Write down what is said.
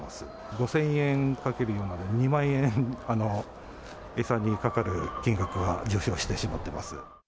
５０００円×４なので、２万円、餌にかかる金額が上昇してしまっています。